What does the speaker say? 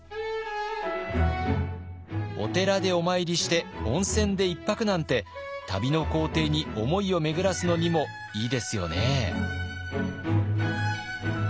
お寺でお参りして温泉で１泊なんて旅の行程に思いを巡らすのにもいいですよね。